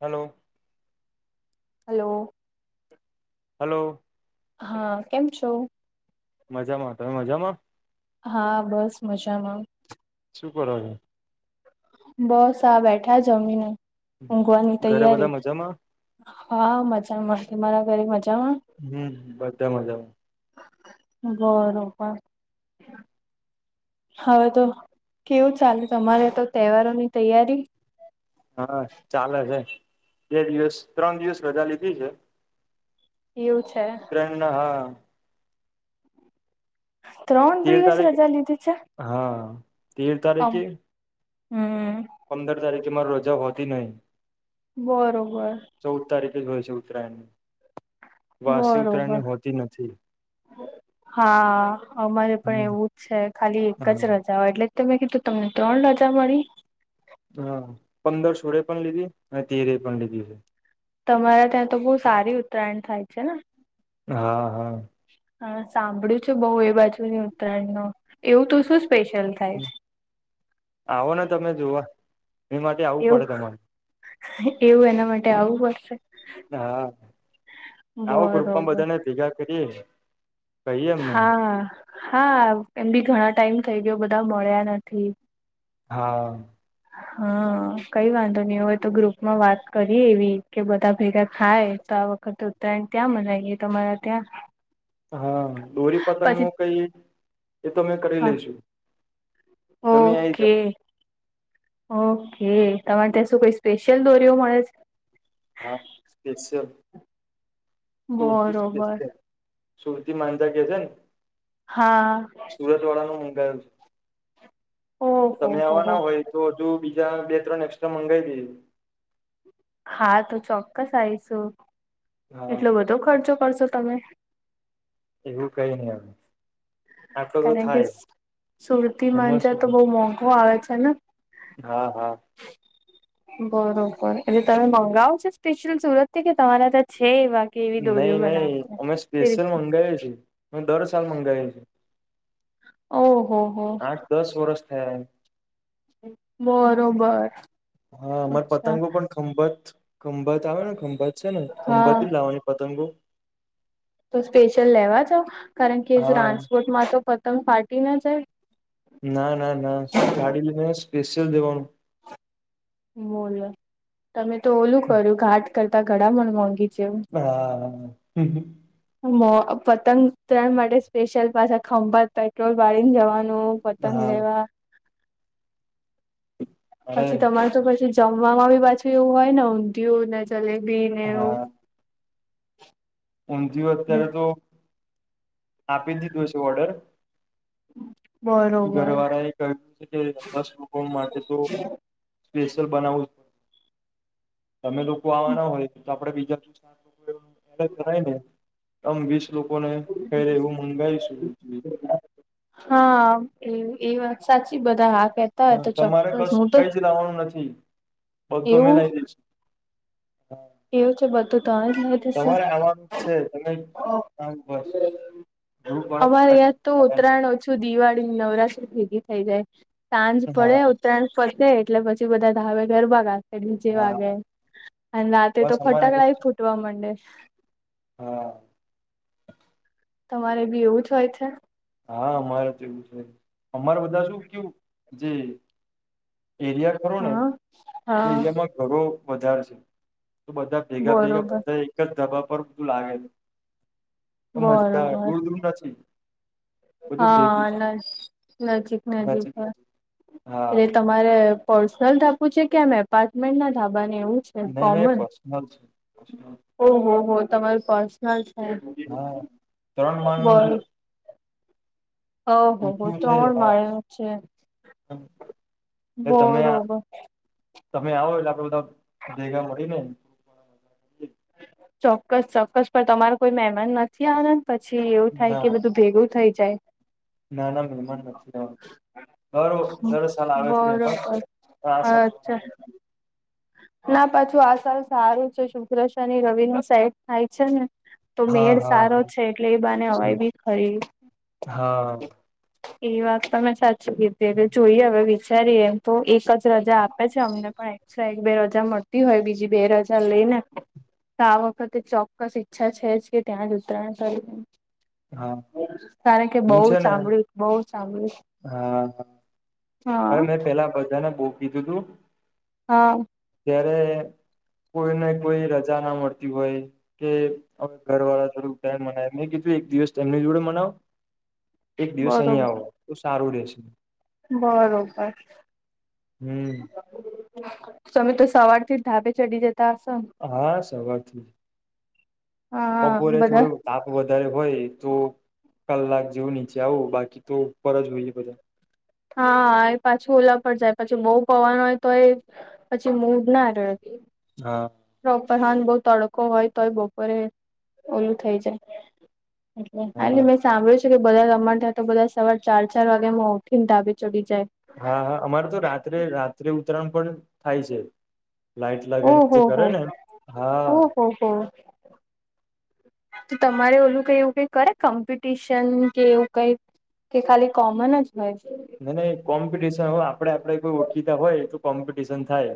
Hello hello hello હા કેમ છો? મજામાં તમે મજામાં? હા બસ મજામાં શું કરો છો? બસ આ બેઠા જમીને ઊંઘવાની ઘરે બધા તૈયારી મજામાં હા મજામાં તમારા ઘરે મજામાં? હમ બધા મજામાં. બરોબર. હવે તો કેવું ચાલે તમારે તો તહેવારોની તૈયારી? હા ચાલે છે બે દિવસ ત્રણ દિવસ રજા લીધી છે. એવું છે. [unintelligible] ત્રણ તેર દિવસ તારીખ રજા લીધી છે? હા તેર આમ તારીખે. હમ. પંદર તારીખે મારી રજા હોતી નહી. બરોબર ચૌદ તારીખે જ હોય છે ઉત્તરાયણ. વાસી બરોબર ઉતરાયણની હોતી નથી. હા અમારે પણ હમ એવું જ છે ખાલી એક જ હા રજ હોય એટલે ત મેં કીધું તમને ત્રણ રજા મળી. હા પંદર સોળે પણ લીધી અને તેરે પણ લીધી છે. તમારા ત્યાં તો બહુ સારી ઉત્તરાયણ થાય છે ને. હા હા. હા સાંભળ્યું છે બઉ એ બાજુની ઉત્તરાયણનું એવું તો શું સ્પેશિયલ થાય છે. આવો ને તમે જોવા એ માટે આવું પડે એવું તમારે. એવું એના માટે આવવું પડશે. હા આવો ગ્રુપમાં બરોબર બધાને ભેગા કરીએ. કહીએ એમને હા હા એમ બી ઘણા ટાઈમ થઈ ગયો બધા મળ્યા નથી. હા. હા કઈ વાંધો નહી એવું હોય તો ગ્રુપમાં વાત કરીએ એવી કે બધા ભેગા થાય. તો આ વખતે ઉત્તરાયણ ત્યાં મનાઈએ તમારા ત્યાં. હા દોરી પતંગ પછી નું કઈ. એ તો મે કરી હા લઈશું તમે આઈ જાઓ ઓકે ઓકે તમારે ત્યાં શું કઈ સ્પેશિયલ દોરીઓ મળે છે. હા સ્પેશિયલ. સુરતી બરોબર. સ્પેશિયલ સુરતી માંજા કે છે ન. હા. સુરત વાળા નું મંગાયું છે. ઓહો તમે હો હો આવાના હોય તો હજુ બીજા બે ત્રણ એક્સ્ટ્રા મંગાવી દઈએ. હા તો ચોક્કસ આવીશું હા એટલો બધો ખર્ચો કરશો તમે. એવું કઈ નઈ અવે. કારણ કે સુરતી એમાં મંજા શું તો બહુ મોંઘું આવે છે ને. હા હા. [unintelligible] બરોબર એટલે તમે મંગાવો છો સ્પેશિયલ સુરત થી કે તમારા ત્યાં છે એ વા. નહી નહી અમે સ્પેશિયલ મંગાવીએ છેીએ અ દર સાલ મંગાવી છીએ. ઓહો હો. આઠ દસ વરષ થયા એમ. બરોબર. હા અમાર અચ્છા પતંગો પણ ખંભાત ખંભાત આવે ને ખંભાત. છે ને ખંભાત હા થી જ લાવવાની પતંગો. તો સ્પેશિયલ લેવા જાવ કારણ કે હા ટ્રાન્સપોર્ટમાં તો પતંગ ફાટી ના જાય. ના ના ના ગાડી લ તને સ્પેશિયલ દેવાનું. બોલો તમે તો ઓલું કર્યું ઘાટ કરતા ઘડાામ મોંઘી છે એવું. હા હ. પતંગ તરાણ માટે સ્પેશિયલ પાછા ખંભાત પેટ્રોલ વાળીને જવાનું. પતંગ હા દેવા. અરે પછી તમાર તો પછી જમવાવામાં બી પાછું એવું હોય, ને ઊંધિય ચલે બનેવ ઊમજીું અત્યારે તો આપી દીધું છે. ઓર્ડર હમ ઘરવાળા એ ક્યું છે. કે દસ લોકો માટે તો સ્પેશિયલ બનાવું છ. તમે લોકો આવવાના હોય આપણે બીજાથી ને આમ વીસ લોકો ને થઈ એવું મંગાવીશું હા એ એ વાત સાચી બધા હા, કે હ તમારે કઈ જ લાવવાનું નથી. બધું એવું મિલાવી દેશ હા, એવું છે બધું તમે જ લઈ દેશો. તમારે આવાનું છે. તમે આ બસ ગ્રુપ વાળા અમારે ં તો કેટલા ટાઈમથી ઉત્તરાયણ ઓછું દિવાળી નવરાત્રી ભેગી થઈ જાય સાંજ પડે મળ્યા નથી. ઉત્તરાયણ ફસે એટલે પછી બધા ધાવે ગરબા, ગા જે હા હા વાગે અને રાતે તો બસ અમારે એવું ફટાકડા જ છે ફૂટવા માંડે હા તમારે બી એવું જ હોય છે. હા અમારે તોવું છે. અમારે બધા શું કેવું જે એરિયા હા હા નેિયામાં ઘરો વધારે છે. તો બધા ભેગા ભેગા બરોબર બધા એક જ ધબા પર બધું લાગે છે. મજા આવે બરોબર. દૂર દૂર નથી બધું ભેગું છે હા, નજીક નજીક એટલે હા ત તમારે પર્સનલ ધાપુ છે. કે એમ એપાર્ટમેન્ટ ના ધાબાને એવું જ નહી નહી પર્સનલ છે. ઓહ હો તમારું પર્સનલ છે. હા ત્રણ માળનું છે બોલો ઓહો હો, ઊંચું છે ત્રણ હા માળ્યો છે. એટલે તમે બરોબર તમે આવો એટલે આ બધા જેગા મળી ને ચોક્કસ ચોક્કસ પણ તમારો કોઈ મહેમાન નથી આનંદ પછી એવું થાય કે બધું ભેગું થઈ જાય ના ના મહેમાન નથી. આવવા બરો દર સાલ આવે છે. બરોબર એમાં ચ અચ્છા ના પાછું આ સલ સારું છે. શુભ્રશની રવિની સેટ થાય છેને તો હા મેળ હા સારો છે. એટલે એ બાને હવાઈ બી ખરી હા એ વાત તો મેં સાચી કીધી એ જોઈએ હવે વિચારીએ એમ તો એક જ રજા આપે છે. અમને પણ અચ્છા એક બે રજા મળતી હોય બીજી બે રજા લઈ ને તો આ વખતે ચોક્કસ ઈચ્છા છે જ કે ત્યાં જ ઉત્તરાયણ કરી હા કારણ કે હું બહુ છે ને ચામડ્યું બહુ, ચાલી હા હા અરે મેં પેલા બધાને બુ કીધું તુ હા ત્યારે કોઈને કોઈ રજા ના મળતી હોય કે હ, ઘર વાળા થોડું મનાય મેં કીધું એક દિવસ તેમની જોડે મનાવો એક દિવસ અહી, બરોબર આવો ત સારું રહેેશે બરોબર હમ તમે તો સવાર થી ઢાબે ચડી જતા હશો ને હા, સવારથી હા ઓપોરે થોડે બધા તાપ વધારે હોય, તો કલાક જેવું નીચે આવું બાકી તો ઉપર જ હોઈએ બધા હા, એ પાછું ઓલા પર જાય પછી બહુ પવાનું હોય, તો એ પછી મૂડ ના રડતી હા પ્રપરહાન બવ તડકો હોય તોય બપોરે ઓલું થઇ જાય હા એટલે સાંભળ્યું છે કે બધા તમારે ત્યાં તો બધા સવાર ચાર ચાર વાગેમાં ઉઠીને ધાબે ચડી જાય હા હા અમારે તો રાત્રે રાત્રે ઉત્તરાયણ પણ થાય છે. લાઈટ લગાવ જે ઓહો કરે હો ને હા ઓહો! તો તમારે ઓલું કઈ એવું કઈ કરે કોમ્પિટિશન કે એવું કઈ? કે ખાલી કોમન જ હોય છે ન કોમ્પિટિશન આપડે આપડે કોઈ ઓળખીતા હોય તો કોમ્પિટિશન થાય.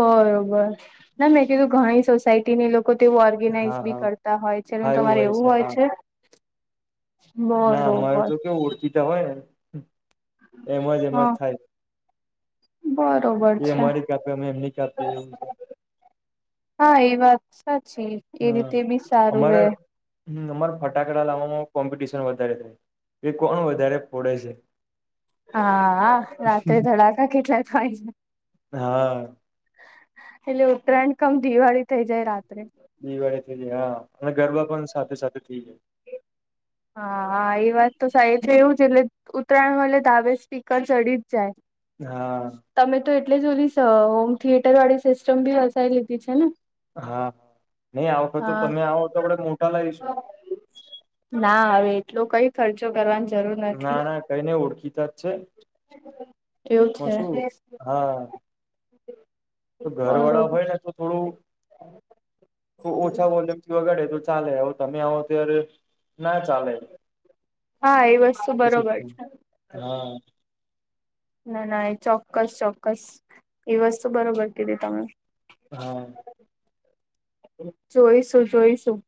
બરોબર ના મેં કીધું ઘણી સોસાયટીની લો લોકો તે હા ઓર્ગેનાઈઝ બી હા કરતા હોય છે એ તમારે એવું હોય છે ના અમારે બરોબર તો કેવું ઓળખીતા હોયને એમ જ એમ જ હા થાય. બરોબર એ છે અમારી કાપે અમે એમની કાપી એવું હા એ વાત સાચી એ હમ રીતે બી સારું રે. અમારા હમ અમારે ફટાકડા લાવવામાં કોમ્પિટિશન વધારે હોય કે કોણ વધારે ફોડે છે. હા... રાત્રે ધડાકા કેટલા થાય હા એટલે ઉત્તરાયણ કમ દિવાળી થઈ જાય રાત્રે દિવાળી થઈ જાય હા અને ગરબા પણ સાથે સાથે થઈ જાય. હા હા એ વાત તો થાય છે એવું છે એટલે ઉતરાયણ હોય એટલે ધાબે સ્પીકર ચડી જ જાય હા તમે તો એટલે જ ઓલી હોમ થિયેટર વાળી સિસ્ટમ બી વસાઈ લીધી છે ને? હા નહી આ વખત તો તમે હા આવો તો આપણેે મોટા લાવીશું. ના હવે એટલો કઈ ખર્ચો કરવાની જરૂર નથી. ના ના કઈને ઓળખીતા જ છે કેવું એમાં શું છે? હા તો ઘર વાળા બરોબર હોય ને તો થોડું ઓછા વોલ્યુમ વગાડે તો ચાલે હ તમે આવો ત્યારે ના ચાલે હા એ વસ્તુ એ બરોબર સિસ્ટમ. છે. હા ના ના એ ચોક્કસ ચોક્કસ એ વસ્તુ બરોબર કીધી તમે હા જોઈશું જોઈશું.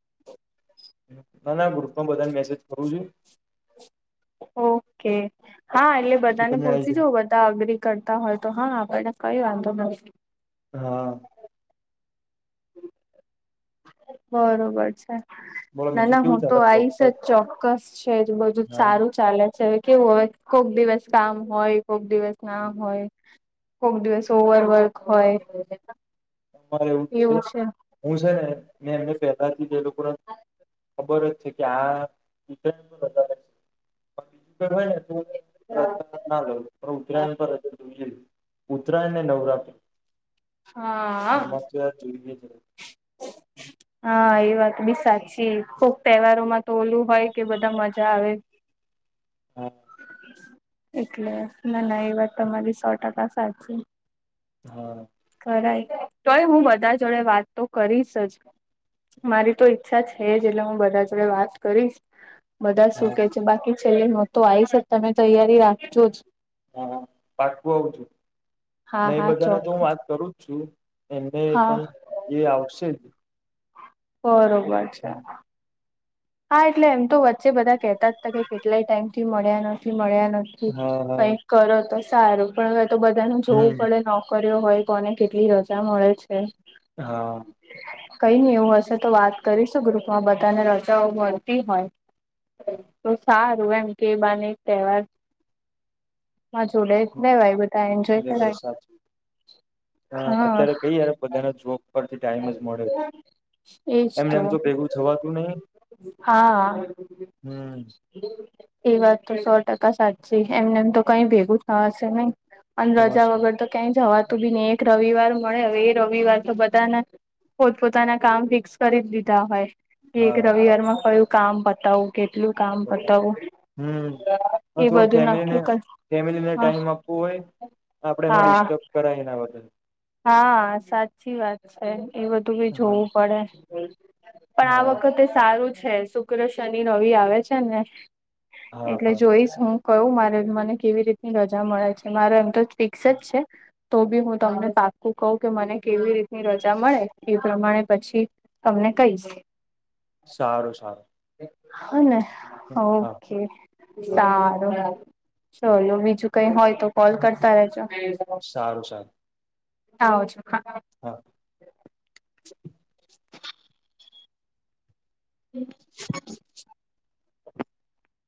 ના ના ગ્રુપ માં બધાને મેસેજ કરું છું. ઓકે હા એટલે કે બધાને તમે આવી પૂછી જાય જો બ ધા અગ્રી કરતા હોય તો હા આપણને કઈ વાંધો નથી. હા બરોબર છે બોલો ના બીજું ના કેવું હું તો ચાલે જોબ આવીશ પર જ ચોક્કસ છે જ બધું જ હા સારું ચાલે છે હવે કેવું હોય કોક દિવસ કામ હોય કોક દિવસ ના હોય કોક દિવસ ઓવરવર્ક હોય. અમારે પણ એવું જ છે હું છે ને મે એમને પહેલા જ કીધેલું ખબર જ છે કે આ રીતે વધારે છે પણ બીજું હોય ને તો હા રજા પણ ઉત્તરાયણ પર તો રજા જોઈએ જ ઉત્તરાયણ ને નવરાત્રી હા એમાં તો આ જોઈએ છે. ઓ [inaudible] હા એ વાત બી સાચી કોક તહેવારો માં તો ઓલું હોય કે બધા મજા આવે. [inaudible] હમ. એટલે ના ના એ વાત તમારી સો ટકા સાચી. હા. ખ તોય હું બધા જોડે વાત તો કરીશ જ. મારી તો ઈચ્છા છે જ એટલે હું બધા જોડે વાત કરીશ. બધા શું કે હા છે બાકી છેલ્લે ન તો આઈ સર તમે તૈયારી રાખજો જ. હા પાટું આવું છું હા એ હા બધાને તો ચોક હું વાત કરું જ છું. એમને હા પણ એ આવશે જ. બરોબર છે. હા એટલે એમ તો વચ્ચે બધા કેતા જ હતા કે કેટલાય ટાઈમથી મળ્યા નથી મળ્યા નથી. હા હા કઈક કરો તો સારું પણ હવે તો બધાનું જોવું હમ પડે નોકરીઓ હોય. કોને કેટલી રજા મળે છે. હા. કઈ નઈ એવું હશે તો વાત કરીશું ગ્રુપમાં બધાને ર. મળતી હોય તો સારું એમ કે બાને એક તહેવાર. હ જોડે લેવાય બધા એન્જોય કરાય. હ હા અત્યારે કઈય બધાના જોબ. પરથી ટાઈમ જ મળે છે એમને એમ તો ભેગું થવાતું નહીિ. હા. એ વાત તો સો ટકા સાચી એમને એમ તો કઈ ભેગું થવા હશે નઈ. અને રજા થવાશે વગર તો ક્યાંય જવાતું બી નહી એક રવિવાર મળે હવે એ રવિવાર તો બધાને. પોતપ પોતાના કામ ફિક્સ કરી જ દીધા હોય કે એક હા હા રવિવારમાં કયું કામ બતાવું. કેટલું કામ કરતાવું. હમ પણ થોડું ફેમિલીને કર ફેમિલીને ટાઈમ આપવો હોય. આપડે એમાં હા ડિસ્ટર્બ કરાય એના બધ. હા સાચી વાત છે એ બધું ક હા જોવું પડે. પણ આ હા વખતે સારું છે શુક્ર શનિ રવિ આવે છે ને. હા એટલે હા જોઈશ હું. કયું મારે મને કેવી રીતની રજા મળે છે મારે એમ તો જ ફિક્સ જ છે. તો બી હું તમને. ું કહું કે મને કેવી રીતની રજા મળે એ પ્રમાણે પછી તમને કહી શ. સારું સારું. હાને હા ઓકે. હા સારું ચલો હા બીજું કઈ હોય તો કોલ કરતા રેજો. સારું સારું. આવ છો હા. હા. હમ.